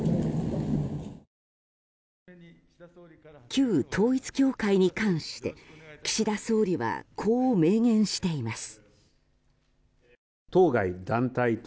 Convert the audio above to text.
旧統一教会に関して岸田総理はこう明言しています。